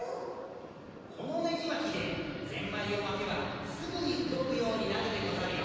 このねじまきでゼンマイをまけばすぐにうごくようになるでござるよ。